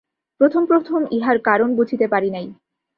প্রথম প্রথম ইহার কারণ বুঝিতে পারি নাই।